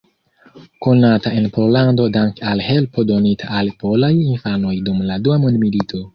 Konata en Pollando danke al helpo donita al polaj infanoj dum la dua mondmilito.